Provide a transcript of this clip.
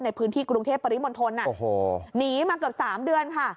ในพื้นที่กรุงเทพปริมณฑลหนีมาเกือบ๓เดือนค่ะ